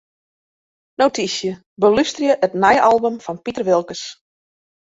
Notysje: Belústerje it nije album fan Piter Wilkens.